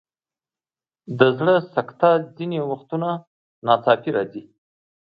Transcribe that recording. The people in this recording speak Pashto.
د زړه سکته ځینې وختونه ناڅاپي راځي.